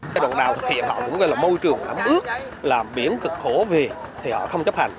cái độ nào thực hiện họ cũng gọi là môi trường làm ướt làm biển cực khổ về thì họ không chấp hành